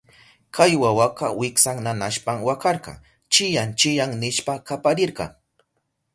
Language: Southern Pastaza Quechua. Kay wawaka wiksan nanashpan wakarka, chiyán chiyán nishpa kaparirka.